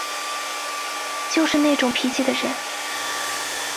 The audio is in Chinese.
就是那种脾气的人